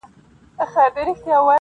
تر مرګه مي په برخه دي کلونه د هجران-